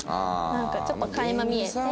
なんかちょっと垣間見えて。